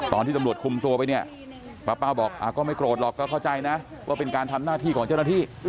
ตอนที่ตำรวจคุมตัวไปเนี่ยป้าเป้าบอกก็ไม่โกรธหรอกก็เข้าใจนะว่าเป็นการทำหน้าที่ของเจ้าหน้าที่